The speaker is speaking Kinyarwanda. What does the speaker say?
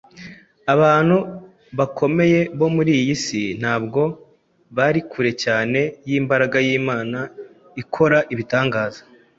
Abantu bakomeye bo muri iyi si ntabwo bari kure cyane y’imbaraga y’Imana ikora ibitangaza.